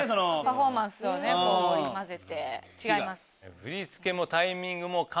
パフォーマンスを織り交ぜて違います。